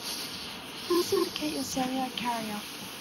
Please indicate your cellular carrier.